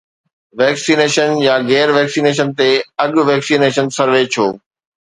Vaccination يا غير vaccination تي اڳ-ويڪسينيشن سروي ڇو؟